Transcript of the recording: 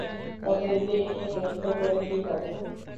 অতএব এ নিয়ে দুঃখ করে কী হবে?